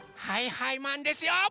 はいはいマンですよ！